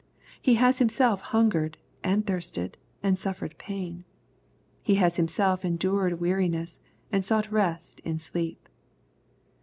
He has himself h unge red, and thirsted, and suffered pain. He has himself endured weariness, and sought rest in sleep.